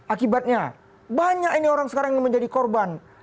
akibatnya banyak ini orang sekarang yang menjadi korban